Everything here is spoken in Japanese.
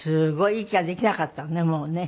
息ができなかったのねもうね。